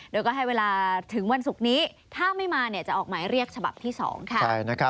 โดยก็ให้เวลาถึงวันศุกร์นี้ถ้าไม่มาจะออกหมายเรียกฉบับที่๒ค่ะ